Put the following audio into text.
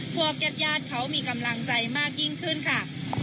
พวกญาติญาติเขามีกำลังใจมากยิ่งขึ้นค่ะ